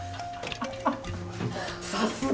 さすが！